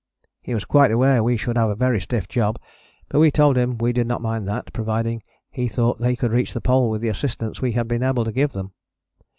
He was quite aware we should have a very stiff job, but we told him we did not mind that, providing he thought they could reach the Pole with the assistance we had been able to give them.